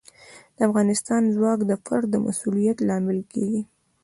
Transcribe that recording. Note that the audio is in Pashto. د انتخاب ځواک د فرد د مسوولیت لامل کیږي.